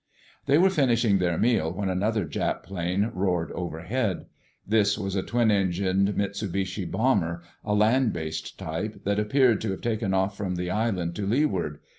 They were finishing their meal when another Jap plane roared overhead. This was a twin engined Mitsubishi bomber, a land based type, that appeared to have taken off from the island to leeward.